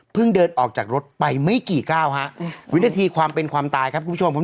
เดินออกจากรถไปไม่กี่ก้าวฮะวินาทีความเป็นความตายครับคุณผู้ชม